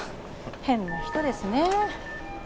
変な人ですね。